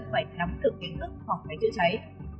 phải thắm thượng kinh thức hoặc cái chữ cháy